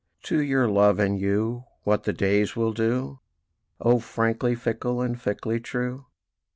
To your Love and you what the days will do, O frankly fickle, and fickly true?